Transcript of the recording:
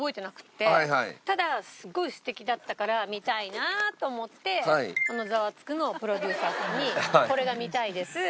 ただすごい素敵だったから見たいなと思ってこの『ザワつく！』のプロデューサーさんに「これが見たいです。